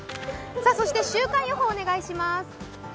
そして週間予報をお願いします。